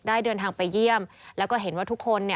เดินทางไปเยี่ยมแล้วก็เห็นว่าทุกคน